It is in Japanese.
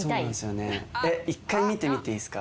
一回見てみていいっすか？